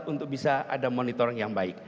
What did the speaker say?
untuk bisa ada monitoring yang baik